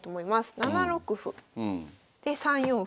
７六歩。で３四歩。